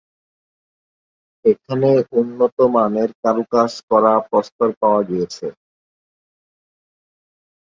এখানে উন্নত মানের কারুকাজ করা প্রস্তর পাওয়া গিয়েছে।